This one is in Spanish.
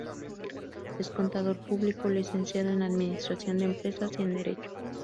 Es Contador Público, Licenciado en Administración de Empresas y en Derecho.